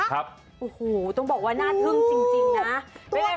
โอ้โหต้องบอกว่าน่าทึ่งจริงนะ